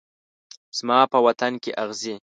زما په وطن کې اغزي